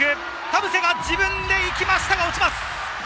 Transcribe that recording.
田臥が自分で行きましたが落ちます。